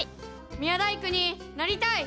宮大工になりたい！